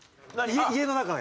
家の中が。